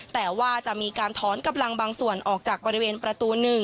แต่ว่าจะมีการถอนกำลังบางส่วนออกจากบริเวณประตู๑